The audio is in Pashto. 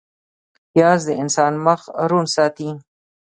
پیاز د انسان مخ روڼ ساتي